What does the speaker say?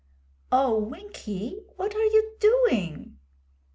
'Oh, Winkie, what are you doing?'